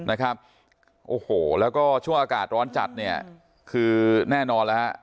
นะครับโอ้โหแล้วก็ช่วงอากาศร้อนจัดเนี่ยคือแน่นอนแล้วฮะ